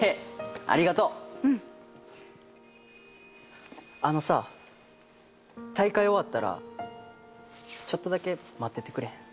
ありがとう・うんあのさ大会終わったらちょっとだけ待っててくれへん？